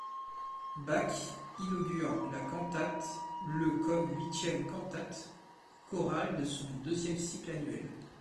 Bach inaugure la cantate le comme huitième cantate chorale de son deuxième cycle annuel.